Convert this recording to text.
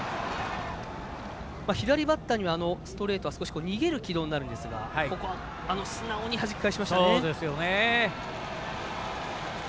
左バッターにはストレートは少し逃げる軌道になるんですが素直にはじき返しました。